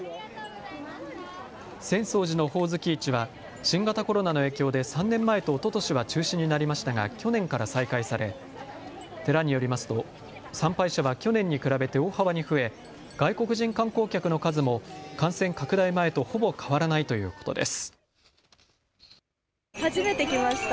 浅草寺のほおずき市は新型コロナの影響で３年前とおととしは中止になりましたが去年から再開され、寺によりますと参拝者は去年に比べて大幅に増え外国人観光客の数も感染拡大前とほぼ変わらないということです。